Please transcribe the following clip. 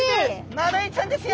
マダイちゃんですよ。